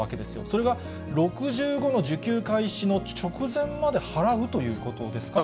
それが６５の受給開始の直前まで払うということですか？